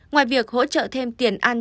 ngoài việc hỗ trợ thêm tiền ăn